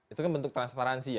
itu kan bentuk transparansi ya